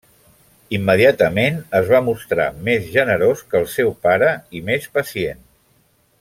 Immediatament es va mostrar més generós que el seu pare i més pacient.